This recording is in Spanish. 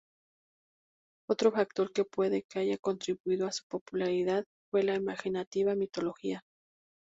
Otro factor que puede que haya contribuido a su popularidad fue la imaginativa mitología.